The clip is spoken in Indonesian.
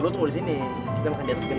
lo tunggu di sini kita makan di atas gendeng ya